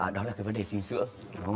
đó là vấn đề dinh dưỡng